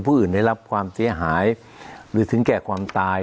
ผู้อื่นได้รับความเสียหายหรือถึงแก่ความตาย